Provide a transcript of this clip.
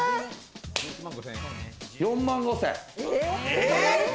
４万５０００円。